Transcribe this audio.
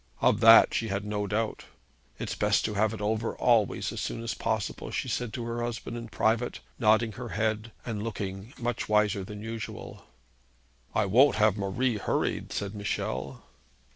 Of that she had no doubt. 'It's best to have it over always as soon as possible,' she said to her husband in private, nodding her head, and looking much wiser than usual. 'I won't have Marie hurried,' said Michel.